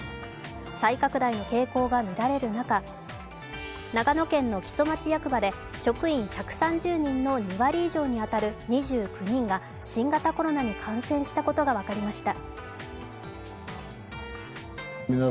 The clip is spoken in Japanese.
再拡大の傾向が見られる中長野県の木曽町役場で職員１３０人の２割以上に当たる２９人が新型コロナに感染したことが分かりました。